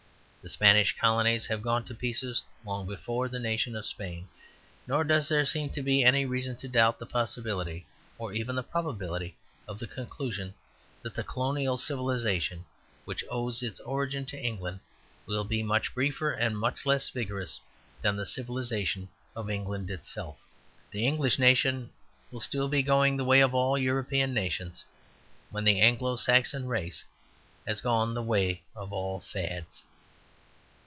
The Spanish colonies have gone to pieces long before the nation of Spain nor does there seem to be any reason to doubt the possibility or even the probability of the conclusion that the colonial civilization, which owes its origin to England, will be much briefer and much less vigorous than the civilization of England itself. The English nation will still be going the way of all European nations when the Anglo Saxon race has gone the way of all fads.